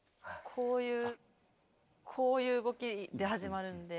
こういうこういう動きで始まるんで。